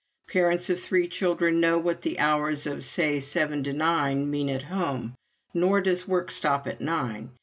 Parents of three children know what the hours of, say, seven to nine mean, at home; nor does work stop at nine.